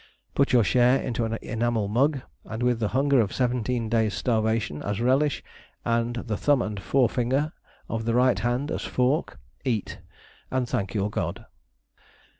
Put your share into an enamel mug, and with the hunger of seventeen days' starvation as relish, and the thumb and forefinger of the right hand as a fork, eat, and thank your God.